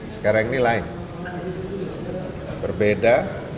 sekarang ini lain berbeda